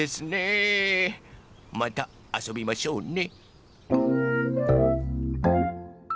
またあそびましょうね。